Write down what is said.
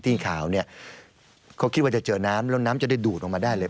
ทีมข่าวเนี่ยเขาคิดว่าจะเจอน้ำแล้วน้ำจะได้ดูดออกมาได้เลย